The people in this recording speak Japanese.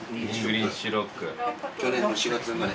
去年の４月生まれ。